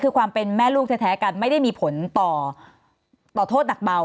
คือความเป็นแม่ลูกแท้กันไม่ได้มีผลต่อโทษหนักเบา